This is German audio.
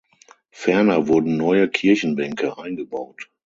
Ferner wurden neue Kirchenbänke eingebaut.